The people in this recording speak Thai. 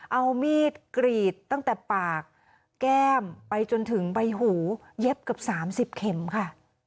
เอามีดกรีดตั้งแต่ปากแก้มไปจนถึงใบหูเย็บเกือบ๓๐เข็มค่ะ